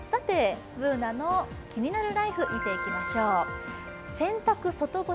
「ＢｏｏｎａのキニナルＬＩＦＥ」見ていきましょう。